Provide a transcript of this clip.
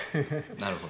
なるほど。